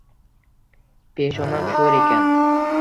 Peshonam sho`r ekan